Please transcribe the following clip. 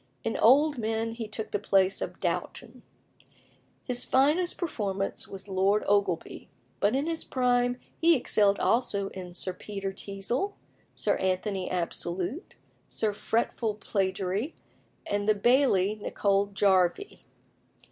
In old men he took the place of Dowton. His finest performance was Lord Ogleby, but in his prime he excelled also in Sir Peter Teazle, Sir Anthony Absolute, Sir Fretful Plagiary, and the Bailie Nicol Jarvie.